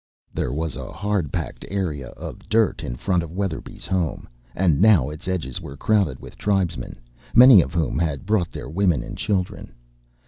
There was a hard packed area of dirt in front of Weatherby's home, and now its edges were crowded with tribesmen, many of whom had brought their women and children.